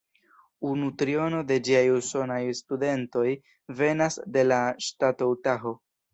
Unu triono de ĝiaj usonaj studentoj venas de la ŝtato Utaho.